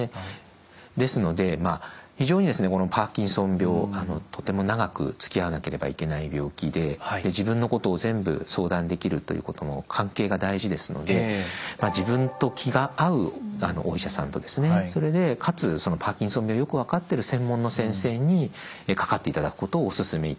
ですので非常にこのパーキンソン病とても長くつきあわなければいけない病気で自分のことを全部相談できるということの関係が大事ですので自分と気が合うお医者さんとそれでかつパーキンソン病をよく分かってる専門の先生に掛かっていただくことをお勧めいたします。